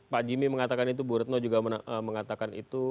pak jimmy mengatakan itu bu retno juga mengatakan itu